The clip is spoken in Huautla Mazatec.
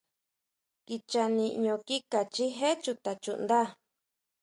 Kicha niʼño kika chijé chuta chuʼnda.